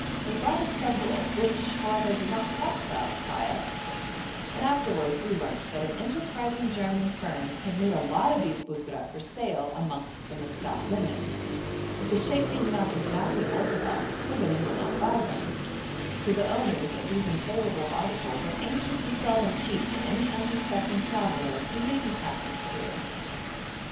They brought us several, which, however, did not quite satisfy us, and afterwards we learnt that an enterprising German firm had made a lot of these buttra for sale amongst the Maskat women; but the shape being not exactly orthodox, the women will not buy them, so the owners of these unsaleable articles are anxious to sell them cheap to any unsuspecting traveller who may be passing through.